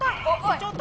ちょっと。